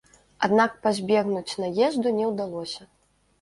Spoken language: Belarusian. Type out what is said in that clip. Аднак пазбегнуць наезду не ўдалося.